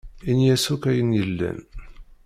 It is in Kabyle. Ini-as akk ayen yellan.